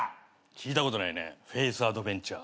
聞いたことないねフェイスアドベンチャー。